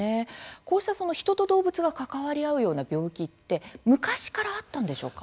こうしたその人と動物が関わり合うような病気って昔からあったんでしょうか？